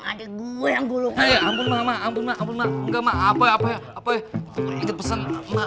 ada gue yang dulu mama mama ampun makamu enggak maaf apa apa pesan